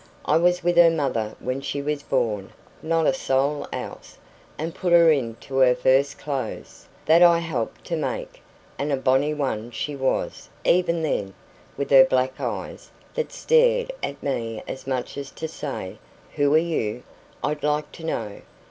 I was with her mother when she was born not a soul else and put her into her first clothes, that I helped to make; and a bonny one she was, even then, with her black eyes, that stared up at me as much as to say: 'Who are you, I'd like to know?'